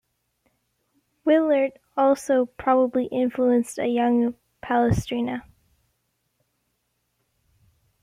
Willaert also probably influenced a young Palestrina.